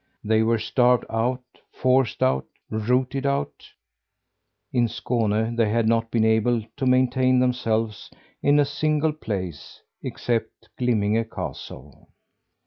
They were starved out, forced out, rooted out. In Skåne they had not been able to maintain themselves in a single place except Glimminge castle.